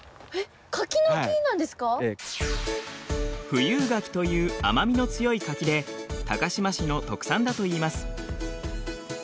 富有柿という甘みの強い柿で高島市の特産だといいます。